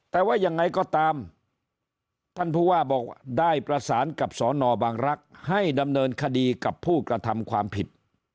แต่ว่ายังไงก็ตามท่านผู้ว่าบอกได้ประสานกับสนบางรักษ์ให้ดำเนินคดีกับผู้กระทำความผิด